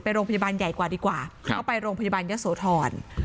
โรงพยาบาลใหญ่กว่าดีกว่าก็ไปโรงพยาบาลเยอะโสธร